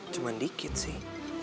cuman dikit sih